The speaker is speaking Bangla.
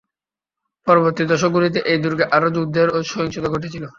পরবর্তী দশকগুলিতে এই দুর্গে আরো যুদ্ধের ও সহিংসতা ঘটেছিল।